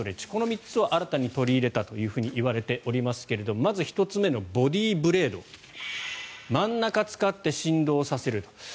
この３つを新たに取り入れたといわれていますがまず１つ目のボディーブレード真ん中を握って振動させる。